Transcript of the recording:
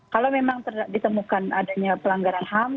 kalau memang ditemukan adanya pelanggaran ham